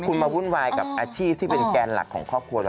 คุณมาวุ่นวายกับอาชีพที่เป็นแกนหลักของครอบครัวเรา